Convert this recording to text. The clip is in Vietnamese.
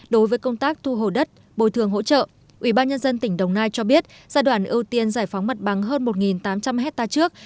đối với công tác thu hồi đất bồi thường hỗ trợ ubnd tỉnh đồng nai cho biết giai đoạn ưu tiên giải phóng mặt bằng hơn một tám trăm linh hectare trước